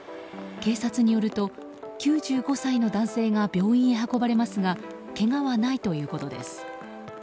警察によると９５歳の男性が病院へ運ばれますがけがはないということです。